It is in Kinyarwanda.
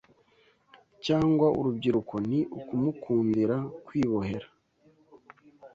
cyangwa urubyiruko ni ukumukundira kwibohera